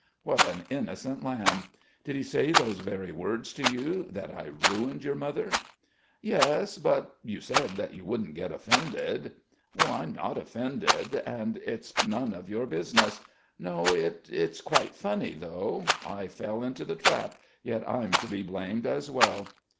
What an innocent lamb! Did he say those very words to you: that I ruined your mother?" "Yes, but ... you said that you wouldn't get offended." "I'm not offended, and ... and it's none of your business! No, it ... it's quite funny though. I fell, into the trap, yet I'm to be blamed as well."